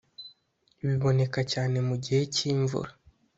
biboneka cyane mu gihe cy’imvura”